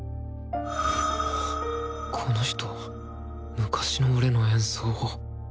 この人昔の俺の演奏を。